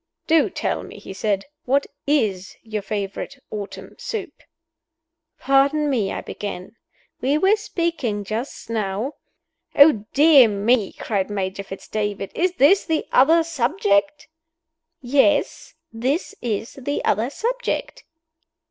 "Do tell me," he said, "what is your favorite autumn soup?" "Pardon me," I began, "we were speaking just now " "Oh, dear me!" cried Major Fitz David. "Is this the other subject?" "Yes this is the other subject."